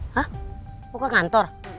hah mau ke kantor